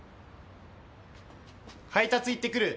配達行ってくる。